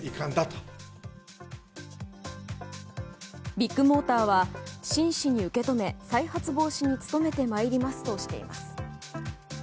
ビッグモーターは真摯に受け止め再発防止に努めてまいりますとしています。